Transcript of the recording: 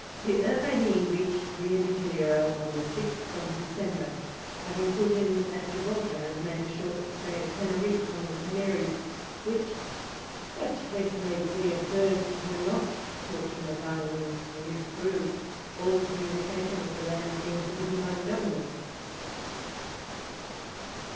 The Uranie reached Rio de Janeiro on the 6th of December, having put in at Gibraltar, and made a short stay at Teneriffe, one of the Canaries, which, as Freycinet wittily observes, were not Fortunate Islands for his crew, all communication with the land being forbidden by the governors.